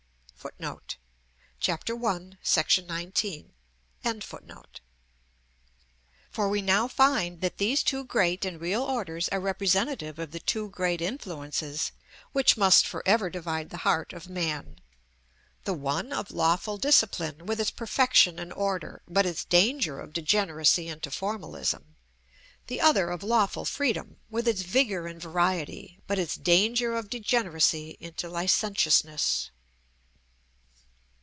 For we now find that these two great and real orders are representative of the two great influences which must for ever divide the heart of man: the one of Lawful Discipline, with its perfection and order, but its danger of degeneracy into Formalism; the other of Lawful Freedom, with its vigor and variety, but its danger of degeneracy into Licentiousness.